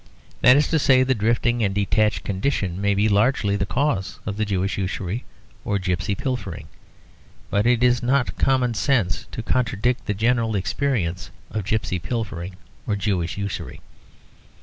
That is to say, the drifting and detached condition may be largely the cause of Jewish usury or gipsy pilfering; but it is not common sense to contradict the general experience of gipsy pilfering or Jewish usury.